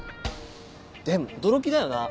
でも驚きだよな。